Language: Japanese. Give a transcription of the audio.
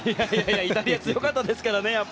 イタリア強かったですからね。